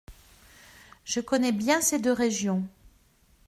Je connais bien ces deux régions.